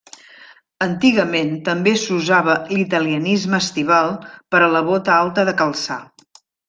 Antigament també s'usava l'italianisme estival per a la bota alta de calçar.